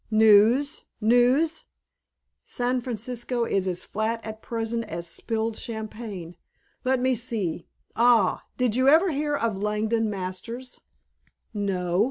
"News? News? San Francisco is as flat at present as spilled champagne. Let me see? Ah! Did you ever hear of Langdon Masters?" "No.